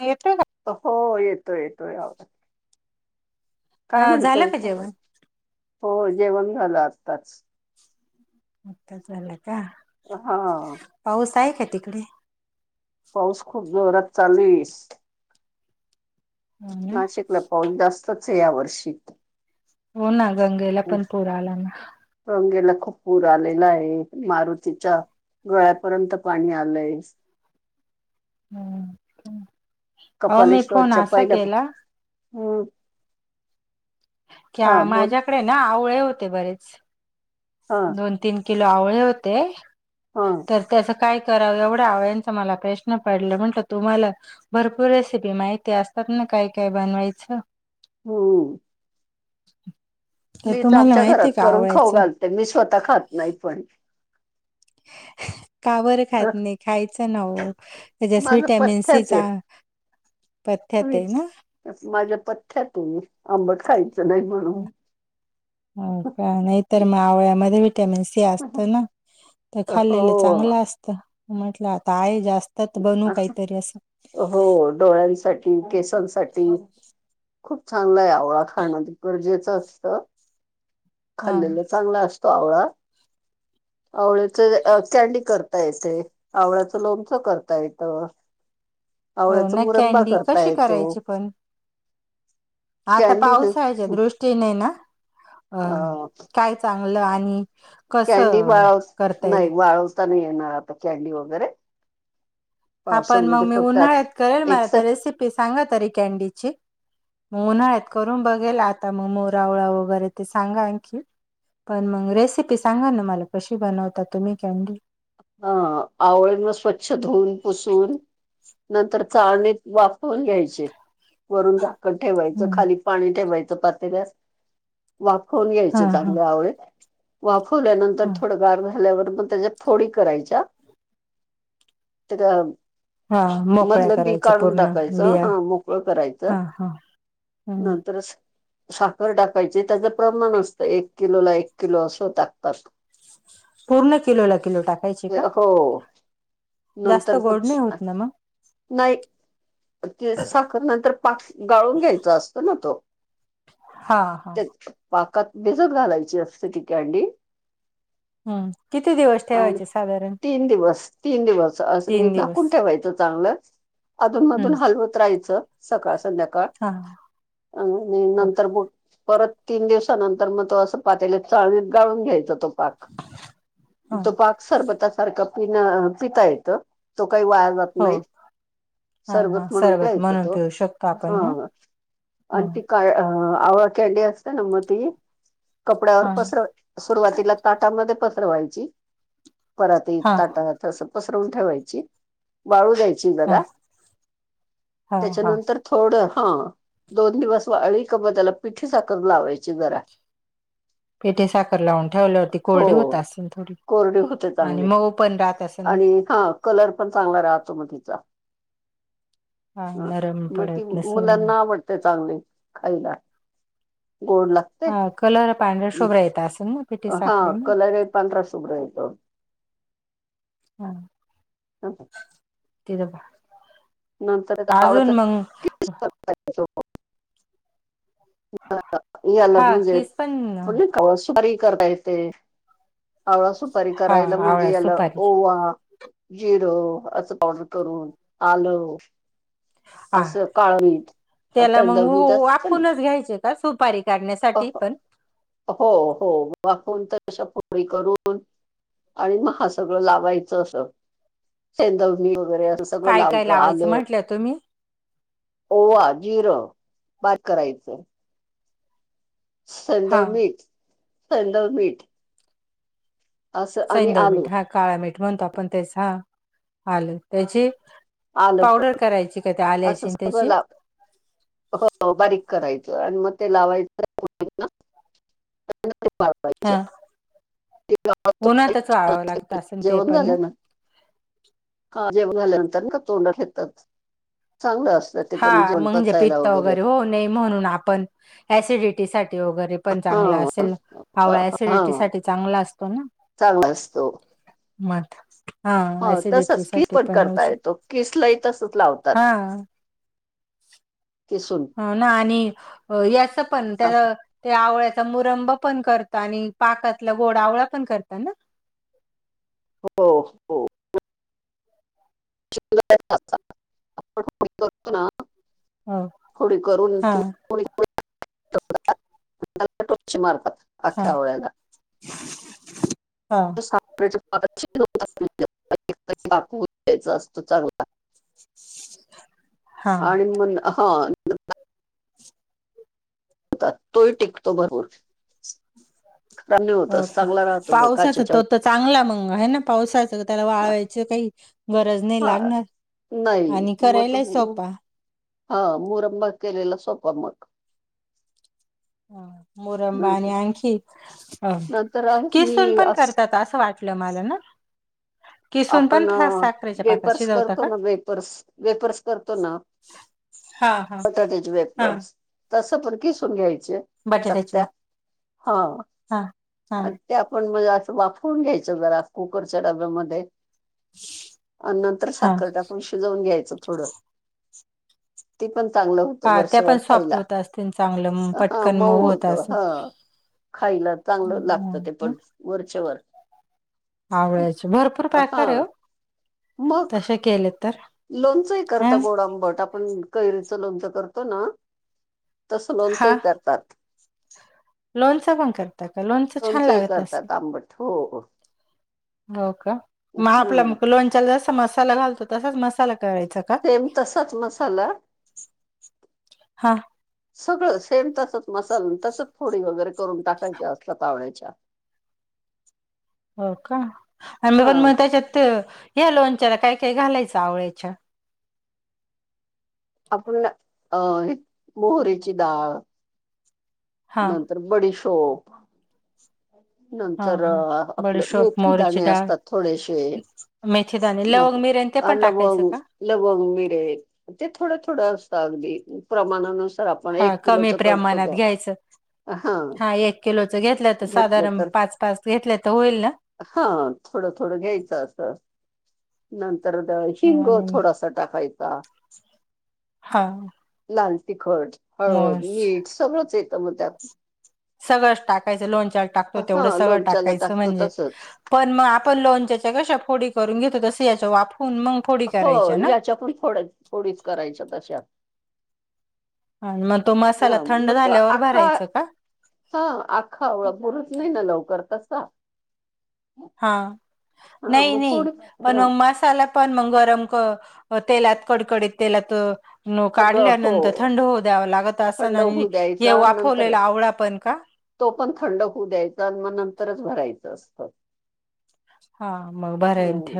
हा, येतोय का? हो, येतोय येतोय आवाज काय हा म्हणते? झालं का जेवण? हो जेवण झालं आत्ताच. आताच झालं का. हा पाऊस आहे का तिकडे? पाऊस खूप जोरात चालूए. हो ना. नाशिकला पाऊस जास्तच आहे या वर्षी. हो ना गंगेला पण पूर आला ना. गंगेला खूप पूर आलेला आहे.. मारुतीच्या गळ्यापर्यंत पाणी आलंय. हा.. हो मी फोन असा केला. हम! क बोल माझ्याकडे ना आवळे होते बरेच. हा दोन तीन किलो आवळे होते. हा! तर त्यासं काय करावं एवढ्या आवळ्याचं मला प्रश्न पडला म्हंटलं तुम्हाला भरपूर रेसिपी माहिती असतात ना काय काय बनवायचं ह, तर तुम्हाला माहती आहेय का आवळ्याचं? तर मी स्वतः खात नाही पण? [inaudible] का बर अ, खात नाही? खायचं ना ओ.. त्याच्यास माझं विटॅमिन सीचा हवीच माझ्या पथ्यातून आंबट खायचं नाही मग. हो का? नाही तर आवळ्यामध्ये विटॅमिन सी असत ना, तर खाल्लेलं हो चांगलं असतं.. म्हटलं आता आहे जास्त. तर बनू अस.. काहीतरी असं हो डोळ्यांसाठी, केसांसाठी, खूप चांगला आहे आवळा खाणं गरजेचं असतं. हा खाल्लेला चांगला असतो आवळा. आवळ्याच कॅडी करता येते आवळ्याचं लोणचं करता. करता येत. हो आवळ्याचा ना मुरंबा कॅनडी कशी येतो करायची पण? हाता कॅडी न पाऊसय आहे.. दृष्ट, तिने हेना अ काय चांगलं आणि, कॅनडी कसं बाळव करता येईल नाही वाळवता नाही येणार आता कॅडी वगैरे, हा पण मग पावसामध्ये मी फक्त उन्हाळ्यात करेल मला एकतर तर रेसिपी सांगा तरी कॅनडीची. ग उन्हाळत करून बघेल आता मग मोरावळा वगैरे ते सांगा आणखी पण मग रेसिपी सांगा ना मला कशी बनवता तुम्ही कॅनडी. हा आवळी म स्वच्छ धुऊन पुसून नंतर चाळणीत वा होन घ्यायचे वरून झाकण ठेवायचं हम्म. खाली पाणी ठेवायचं पातेल्यास. वाफवून हा घ्यायाचं हा चांगल्या आवळे वाफवल्यानंतर हा थोडं गार झा झाल्यावर म त्याच्या फोडी करायच्या त्या हा मोकळ्या मधलं बी करायच्या काढून पूर्ण टाकायचं बिया हा मोकळं करायचं. हा हा हम्म. नंतरच साखर टाकायची त्याचं प्रमाण असतं एक किलोला एक किलो असं टाकतात. पूर्ण किलो ला किलो टाक हो जास्त नंतर मग गोड नाही होत ना मग नाही ते साखर नंतर पाक गाळून घ्यायच असतं ना तो हा हा पाकात भिजत घालायची असते ती कॅडी. हम्म किती दिवस? अ ठेवायचे साधारण? तीन दिवस तीन दिवस असं म तीन दिवस झाकून ठेवायचं चांगलं. अधून हम्म. मधून हलवत राहायचं सकाळ संध्याकाळ हा आणि ओके नंतर ब परत तीन दिवसानंतर मग तो असं पातेल्यात चाळणीत गाळून घ्यायचा तो पाक. हा तो पाक सरबता सारखा पि पिता येतं तो काही वाया जात हो नाही. हा हा सरबत म्हणून प्यायचं म्हणून तो पिऊ शकतो आपण ना हा आणि हं. ती का आवळा कॅनडी असते ना मग ती कपड्यावर हा पसरवायची. सुरुवातीला ताटामध्ये पत्र व्हायची परातीत हा ताटस पसरवून ठेवायची. वाळू द्यायची हा जरा हा हा त्याच्यानंतर थोडं हा दोन दिवस वाळी क म त्याला पिठी साखर लावायची जरा पिठी साखर लावून ठेवल्यावरती हो कोरडी होत असेल थोडी. कोरडी होते आणि चांगले मऊ पण राहत असेल आणि हा कलर पण चांगला राहतो मग तिचा. हा नरम मग ती पडत नसेल म्हणून मुलांना आवडते चांगले. खायला गोड ला ह कलर पांढरा शोभरा येत असेल ना. पिठी हा साखरेने कलरय पांधरा शुभ्र येतो. हा ह [unintelligible] कबा [unintelligible] नंतर त्या आवडच कती [unintelligible] याला हा म्हजे किस पण [unintelligible] सुपारी करता येते. आवळा सुपारी हा करायला म्हणजे आवळा याला सुपारी ओवा जिरों अस पावडर करून आल हा असं काळ मीठ असं त्याला मग एकदम मीठ असतं वाफवून ना घ्यायचे का सुपारी काढण्यासाठी पण हो हो वाफवून तशा पोळी करून आणि मग हा सगळं लावायचं असं सेंदवणी वगैरे अस. सगळं काय काय लायतं लावायचं आलं म्हटलं तुही ओवा, जिरं बारीक करायचं हा सेंदव मीठ सेंदव मीठ असं आणि सेंदव आलं मीठ हा काळ मीठ म्हणतो आपण त्याच हा आल त्याची आलं पण पावडर करायची का त्या असं आल्याची सगळं त्याची लावं हो बारीक करायचं आणि मग ते लावायचं पुरींना [unintelligible] पुन्हा ते चाळावं लागतं असेल ते पण ना का जेवण झाल्यानंतर ना तोंडात घेतात चांगलं असतं ते पण हा जेवण म्हणजे पचायला पित्त वगैरे होवू नाही, म्हणून आपण ऍसिडिटी साठी वगैरे पण चांगला हा. असेल आवळा एसिडिटी हा साठी चांगला असतो ना. चांगला असतो. मध हा एसिडिटी तसच किस साठी पण होवू करता शक येतो किसलाही तसच लावतात हां किसून ना आणि याच पण हो त्याल ते आवळ्याचा मुरंब पण करत आणि पाकातला गोड आवळा पण करताना. हो हो [unintelligible] आपण फोडी करतो ना हो फोडी करून हा हा [unintelligible] हा [inaudible] द्यायचं असतं चांगला [unintelligible] आणि मग अंह... हो तोही टिकतो भरपूर काय नाही होत हो का चांगला राहतो ब पावसाचा काचेच्या तो चांगला मंग आहे ना पावसाचं त्याला वाळवायची काही गरज नाही हा लागणार नाही आणि करायलाय ही सोपा. हो मुरंबा केलेला सोपा मग अ मोरंबा आणि नंतर आणखी अ नंतर आहे मी किसून पण अस करतात असं वाट लमाला ना किसून पण आपण फा- साखरेच्या पाकात वेपर्स शिजवता करतो का ना वेपर्स वेपर्स करतो ना हा हा बटाट्याचे हा वेफर्स तसं पण किसून घ्यायचे चकत्या बटाट्याची हं हा हा अन् ते आपण म्हणजे असं वाफून घ्यायचं जरा कुकरच्या डब्यामध्ये [unintelligible] अन् नंतर हा साखर टाकुण शिजवून घ्यायचं थोडं ते पण चांगलं होतं हा त्या वर्षभर पण सॉफ्ट खायला होत असतील चांगलं मग हा पटकन मऊ होत असेल. हं खायला चांगलं लागतं ते पण वर्षभर आवळ्याचे भरत हा मग तसे केले तर लोणचं ही ह करता गोड आंबट आप आपण कैरीचं लोणच करतो ना तसं हा लोणचंही करतात. लोणचं पण करता का लोणचं छान लागत असं हो हो हो का मग आपल्या हं. लोणच्याला जसा मसाला घालतो तसाच मसाला करायचा का? सेम तसाच मसाला हा सगळं सेम तस तोच मसाल, नं तसच फोडी वगैरे करून टाकायच्या असतां [unintelligible] हो का आणि पण म त्याच्यात ते ह्या लोनच्याला काय काय घालायचं आवळ्याच्या? आपूण अ हे मोहरेची दाळ. हा नंतर बडीशोप. हा नंतर अ, हा आपलं बडीशोप मेथी दाणे मोहचीडाळ असतात थोडेसे मेथीदाने लवंग मिरेन ते पण टाकाय पहू, लवंग, मिरे ते थोड थोडं असतं अगदी प्रमाणानुसार हा एक कमी किलोचं करतो प्रमाणात का घ्यायचं हां, हा एक. किलोच घेतल्या त घेतलं साधारण पाच, पाच घेतल्या त होईल ना? हा थोडं थोडं घ्यायचं असं. नंतर हिंग आणि थोडासा टाकायच. हां! लाल तिखट, हळद, मीठ, सगळंच येतं म त्यात. सगळंच टाकायचं, लोणचाल टाकतो तेवढं हां, सगळं लोणच्याला टाकायचं, टाकतो म्हणजे. तसंच. पण मग आपण लोणच्याच्या कशा फोडी करून घेतो तसं याच्या वाफवून मंग हो याच्या पण फोड्या फोडीच करायच्या तश्या. हा म तो मसाला थंड झाल्यावर भरायच का? हा आक्खा बुरूच नाही ना लवकर तसा. हा हां, नाही मग नाही फोडीत पण हां, मग मसाला. पण मग गरम क तेलात कडकडीत तेलात न सगळं हो, काढल्यानंतर थंड होऊ द्यावा लागत असन थंड आणि होऊ हे द्यायचा नंतर वाफवलेला आवळा पण का? तो पण थंड होऊ द्यायचा, न म नंतरच भरायचं असतं. हा म भरन आहे हं,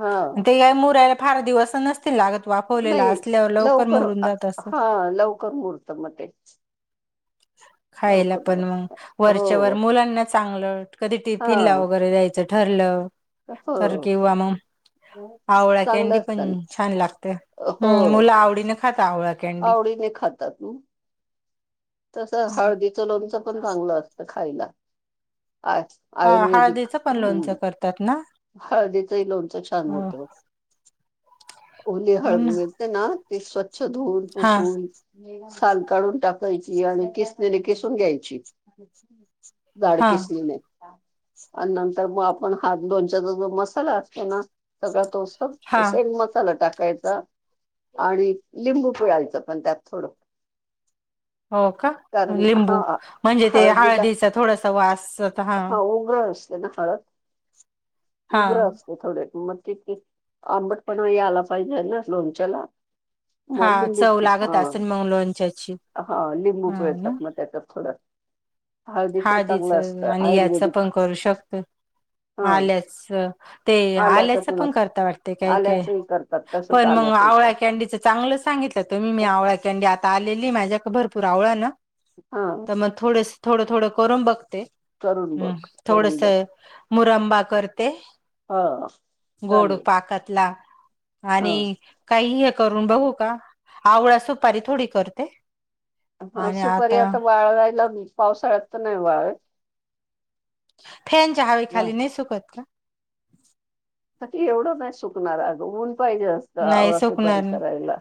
हां. ते का मुरायला फार दिवस नस तिल लागत वाफवलेल असल्यावर लवकर मुरून जात अस. ह लव कर मुरत म ते. [inaudible] खायला लवकर पण मग मुहूर्त. वरच्या वर हो मुलांना चांगलं कधी टिफिनला हां वगैरे दयाय च ठरलं तर हो. किंवा म. आवळा कॅन्डी चांगलं पण असतं छान ना. लागते हो मुलं आवडीने खातां आवळा. कॅन्डी. आवडीने खातत. हूं. तस हळदीचं लोणचं पण चांगलं असतं खायला आ. हा हळदीचं पण लोणचं करतात ना? हळदीचही लोणचं छान होतं. हो ओले हळद मिळते ना ते स्वच्छ धुऊन हा पुसून साल काढून टाकायची आणि केिसनींनी केिसून घ्यायची. जाड हा किसनिने आणि नंतर मग आपण हात दोन त्याचा जो मसाला असतो ना सगळा तो स हा सेम मसाला टाकायचा. आणि लिंबू पिळायचं पण त्यात थोडं. हो का कारण हा लिंबू म्हणजे ते हळदीला हळदीचा थोडासा वास सट हा. वोगस! त्यांना हळद. हा उग्र असते थोडे मग तिती आंबट पणा यांला पाहिजे ना लोणच्याला. हा मग लिंबू चव लागत हा असतील मग लोणच्याची ह ना! न त्याच थोडं. चांगलं हळदीचं असतं आणि याच आयुर्वेदिक पण करू शकतो हा आल्याच. ते आल्याचं आल्याच पण असतं करता वाटते काय -काय आल्याचंही करतात तसंच पण मग आल्याचंही आवळा करतात कॅडीच चांगलं सांगितलं तुम्ही मी आवळा कडी आता आलेली माझ्याकडे भरपूर आवळा ना हा. तर मग थोड -थोड -थोड करून बघते करून बघ थोडस करून बघ मुरंबा करते हा गोड चालेल पाकातला हा आणि काही हे करून बघू का आवळा सुपारी थोडी करते. ह सुपारी आता वाळवायला मी पावसाळ्यात तर नाही वाळत. फॅनच्या हवे हा. खाली नाही सुकत का? क एवढंच नाही सुकणार अग ऊन पाहिजे नाही असतं सुकणार सुपारी ना करायला.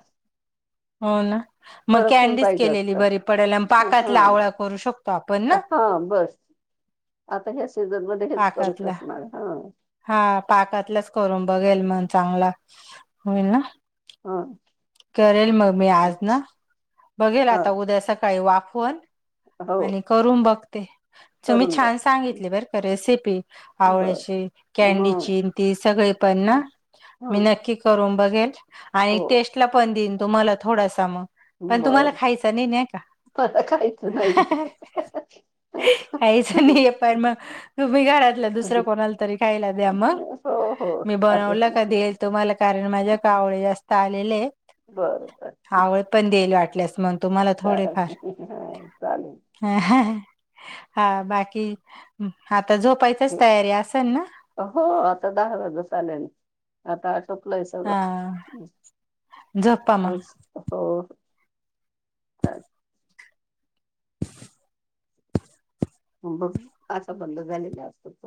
हो ना. मग कडक ऊन कॅनडीज पाहिजे केलेली असतं बरी पडेला आणि हा पाकातला आवळा करू शकतो आपण ना हा बस आता ह्या सीझनमध्येध्ये हेच करू पाकातला शकणार हा हा पाकातलंच करून बघेल मन चांगला होईल ना? हा. करेल मग मी आज न बघेल हा आता उद्या सकाळी वाफवन हो आणि करून बघते तर तुम्ही करून बघ छान सांगितली बर का रेसिपी. आवळ्या बर ची, कॅनडी हं ची नती सगळे पण ना मी हं नक्की करून बघेल आणि हो टेस्ट ला पण देईन तुम्हाला थोडासा मग. पण तुम्हाला बर खायच नाही नाही का? मला काहीच नाही काहीच नाही आहे पण मग तुम्ही घरात दुसऱ्या कोणाला तरी खायला द्या मग हो हो मी बनवलं चालेल की तुमला कारण माझ्या आवळे जास्त आलेले बरोबर. आवळे पण देईल वाटल्यास मग. तुम्हाला हा चालेल. ह हा बाकी आता झोपायचच हे तयारी असेल ना? हो आता दहा वाजत आले ना आता उरकले सगळ. हा झोपा मग हो का? आता बंद झालेला असेल.